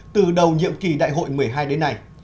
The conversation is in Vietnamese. từ đầu nhiệm kỳ đại hội một mươi hai đến nay